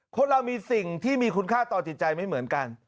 คนเรามีสิ่งที่มีคุณค่าต่อจิตใจไม่เหมือนกัน